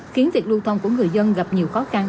khiến việc lưu thông của người dân gặp nhiều khó khăn